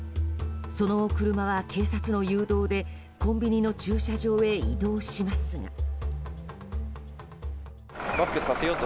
その車は警察の誘導でコンビニの駐車場へ移動しますが。